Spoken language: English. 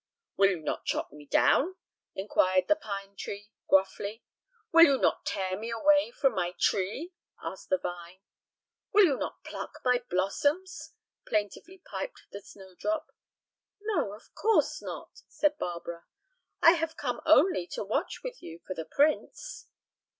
"Will you not chop me down?" inquired the pine tree, gruffly. "Will you not tear me from my tree?" asked the vine. "Will you not pluck my blossoms?" plaintively piped the snowdrop. "No, of course not," said Barbara; "I have come only to watch with you for the prince."